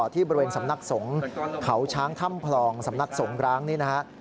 ที่บริเวณสำนักสงฆ์เขาช้างถ้ำพลองสำนักสงร้างนี่นะฮะ